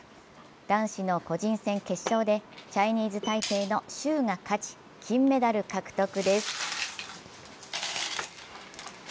男子の個人戦決勝で、チャイニーズ・タイペイのシュウが勝ち、金メダル獲得です。